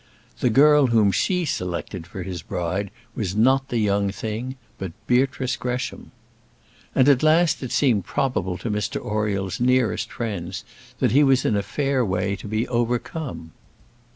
The girl whom she selected for his bride was not the young thing, but Beatrice Gresham. And at last it seemed probable to Mr Oriel's nearest friends that he was in a fair way to be overcome.